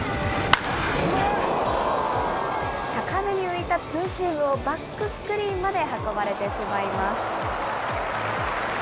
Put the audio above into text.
高めに浮いたツーシームをバックスクリーンまで運ばれてしまいます。